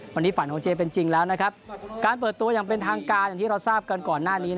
วันนี้ฝันของเจเป็นจริงแล้วนะครับการเปิดตัวอย่างเป็นทางการอย่างที่เราทราบกันก่อนหน้านี้